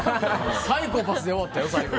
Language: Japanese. サイコパスで終わったよ、最後。